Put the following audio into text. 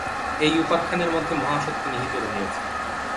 এই উপাখ্যানের মধ্যে মহা সত্য নিহিত রহিয়াছে।